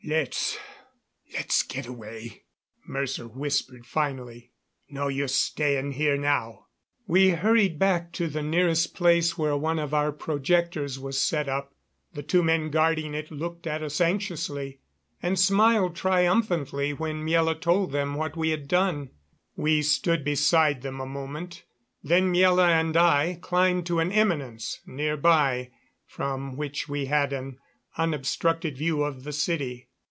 "Let's let's get away," Mercer whispered finally. "No use staying here now." We hurried back to the nearest place where one of our projectors was set up. The two men guarding it looked at us anxiously, and smiled triumphantly when Miela told them what we had done. We stood beside them a moment, then Miela and I climbed to an eminence near by from which we had an unobstructed view of the city.